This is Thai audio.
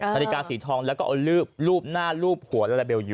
นาฬิกาสีทองแล้วก็เอารูปหน้ารูปหัวลาลาเบลอยู่